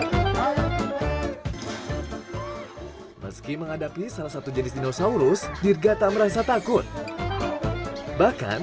hai meski menghadapi salah satu jenis dinosaurus dirga tak merasa takut bahkan